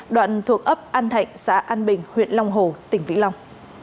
đoạn thuộc ấp an thạnh xã an bình huyện long hồ tỉnh vĩnh long